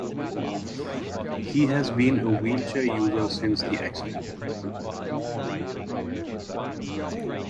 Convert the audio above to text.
He has been a wheelchair user since the accident.